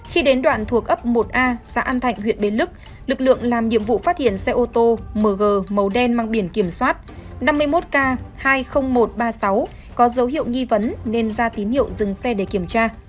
khi đến đoạn thuộc ấp một a xã an thạnh huyện bến lức lực lượng làm nhiệm vụ phát hiện xe ô tô mg màu đen mang biển kiểm soát năm mươi một k hai mươi nghìn một trăm ba mươi sáu có dấu hiệu nghi vấn nên ra tín hiệu dừng xe để kiểm tra